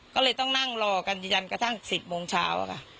ก็เลยต้องนั่งรอกันยันกระทั่ง๑๐โมงเช้าค่ะ